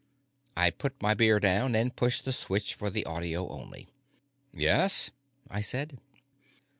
I put my beer down and pushed the switch for the audio only. "Yes?" I said.